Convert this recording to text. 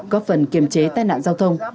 có phần kiềm chế tai nạn giao thông